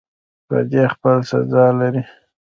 بدی خپل سزا لري